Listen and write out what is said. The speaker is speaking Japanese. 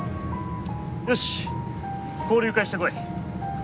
よし交流会してこい。